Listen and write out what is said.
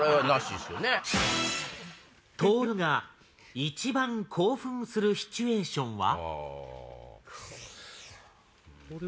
とおるが一番興奮するシチュエーションは？